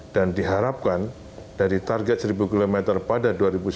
dan diharapkan dari target satu km pada dua ribu sembilan belas